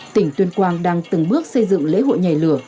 tỉnh tuyên quang đang từng bước xây dựng lễ hội nhảy lửa